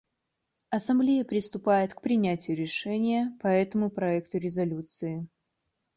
Ассамблея приступает к принятию решения по этому проекту резолюции.